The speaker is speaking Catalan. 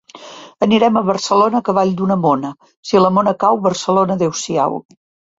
Anirem a Barcelona a cavall d'una mona; si la mona cau, Barcelona adeu-siau.